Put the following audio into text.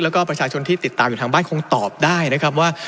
แล้วก็ประชาชนที่ติดตามอยู่ทางบ้านคงตอบได้นะครับว่า